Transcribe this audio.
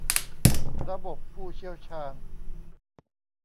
ระบบผู้เชี่ยวชาญ